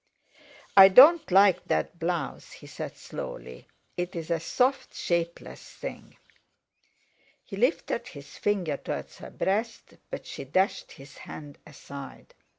"I don't like that blouse," he said slowly, "it's a soft, shapeless thing!" He lifted his finger towards her breast, but she dashed his hand aside.